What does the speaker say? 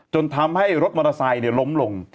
จนทำให้รถมอเตอร์ไซค์ล้มลง